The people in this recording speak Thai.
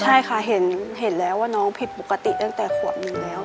ใช่ค่ะเห็นแล้วว่าน้องผิดปกติตั้งแต่ขวบหนึ่งแล้ว